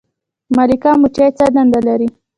ملکه مچۍ څه دنده لري؟